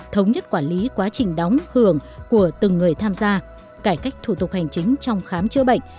thống nhất quản lý quá trình đóng hưởng của từng người tham gia cải cách thủ tục hành chính trong khám chữa bệnh